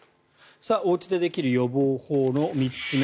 おうちでできる予防法の３つ目。